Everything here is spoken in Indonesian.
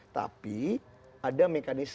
tapi ada mekanisme